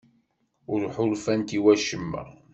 Ur ḥulfant i wacemma?